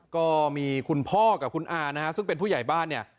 ก็มีคุณพ่อกับคุณอานะฮะซึ่งเป็นผู้ใหญ่บ้านเนี่ย